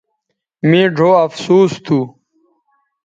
مے ڙھؤ افسوس تھو